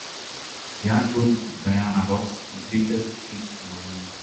Gli album, "Diana Ross," e "Greatest Hits vol.